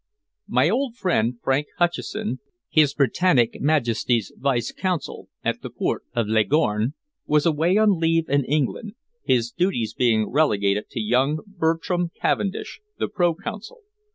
My old friend Frank Hutcheson, His Britannic Majesty's Vice Consul at the port of Leghorn, was away on leave in England, his duties being relegated to young Bertram Cavendish, the pro Consul.